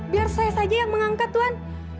biar saya saja yang mengangkat tuan